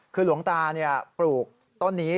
คือหลวงตาปลูกต้นนี้